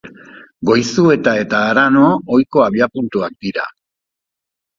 Goizueta eta Arano ohiko abiapuntuak dira.